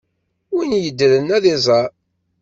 Win yeddren, ad iẓer.